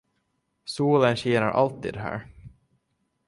Solen skiner alltid här.